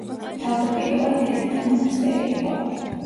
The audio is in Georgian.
თავდაპირველად დედათა მონასტერი იყო.